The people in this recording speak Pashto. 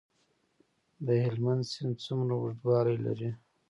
د هلمند سیند څومره اوږدوالی لري؟